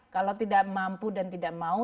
kalau tidak mampu dan tidak mau